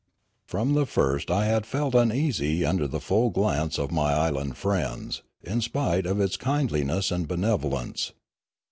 From the first I had felt uneasy under the full glance of my island friends, in spite of its kindliness and benevolence.